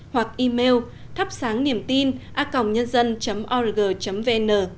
hoặc email thapsangniemtina org vn